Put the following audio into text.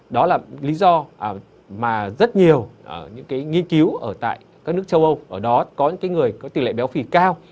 đó là lý do mà rất nhiều những cái nghiên cứu ở tại các nước châu âu ở đó có những người có tỷ lệ béo phì cao